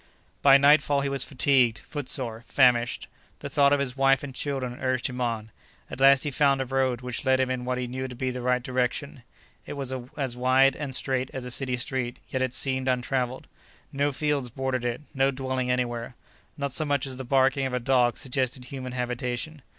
By nightfall he was fatigued, footsore, famished. The thought of his wife and children urged him on. At last he found a road which led him in what he knew to be the right direction. It was as wide and straight as a city street, yet it seemed untraveled. No fields bordered it, no dwelling anywhere. Not so much as the barking of a dog suggested human habitation.